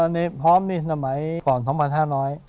ในพร้อมนี่สมัยก่อนสมภาษาน้อย